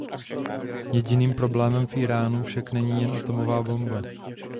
Jediným problémem v Íránu však není jen atomová bomba.